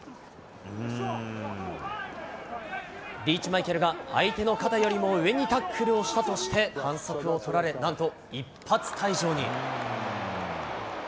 リーチマイケルが相手の肩よりも上にタックルをしたとして反則をとられ、なんと一発退場に。